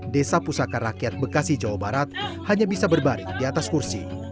desa pusaka rakyat bekasi jawa barat hanya bisa berbaring di atas kursi